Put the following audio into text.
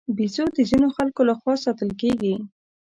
بیزو د ځینو خلکو له خوا ساتل کېږي.